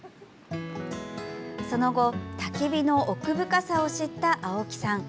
その後たき火の奥深さを知った青木さん。